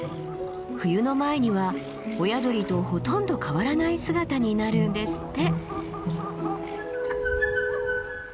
冬の前には親鳥とほとんど変わらない姿になるんですって。